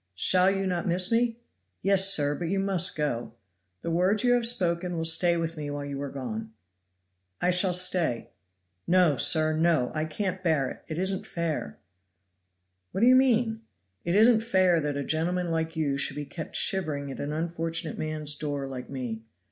"Shall you not miss me?" "Yes, sir, but you must go. The words you have spoken will stay with me while you are gone." "I shall stay." "No, sir, no! I can't bear it it isn't fair!" "What do you mean?" "It isn't fair that a gentleman like you should be kept shivering at an unfortunate man's door like me.